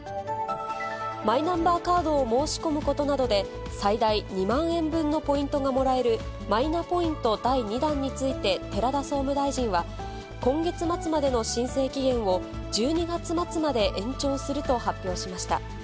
マイナンバーカードを申し込むことなどで、最大２万円分のポイントがもらえるマイナポイント第２弾について寺田総務大臣は、今月末までの申請期限を１２月末まで延長すると発表しました。